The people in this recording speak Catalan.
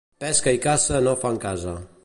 Pesca i caça no fan casa.